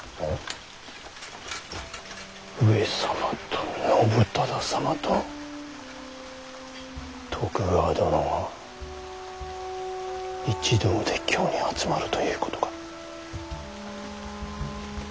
上様と信忠様と徳川殿が一同で京に集まるということか。